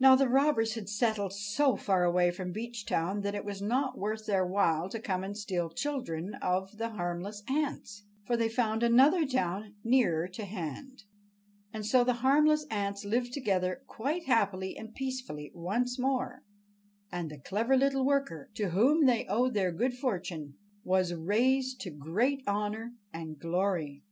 Now, the robbers had settled so far away from Beechtown that it was not worth their while to come and steal the children of the harmless ants, for they found another town nearer to hand. And so the harmless ants lived together quite happily and peacefully once more, and the clever little worker, to whom they owed their good fortune, was raised to great honor and glory.